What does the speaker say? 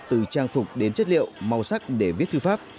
từ trang phục đến chất liệu màu sắc để viết thư pháp